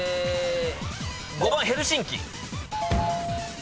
５番ヘルシンキ。